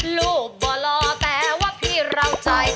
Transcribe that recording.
หลุบบ่หล่อแต่ว่าพิราวจัย